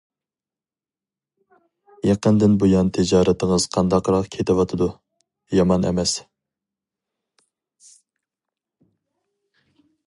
— يېقىندىن بۇيان تىجارىتىڭىز قانداقراق كېتىۋاتىدۇ؟ — يامان ئەمەس.